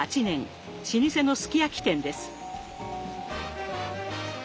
老舗のすき焼き店です。